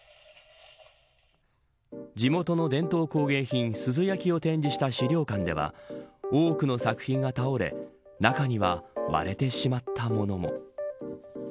地元の伝統工芸品珠洲焼を展示した資料館では多くの作品が倒れ中には割れてしまったものも。